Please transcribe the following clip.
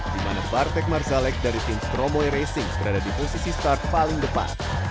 di mana barteg marzalek dari tim stromoy racing berada di posisi start paling depan